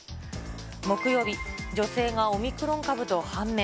木曜日、女性がオミクロン株と判明。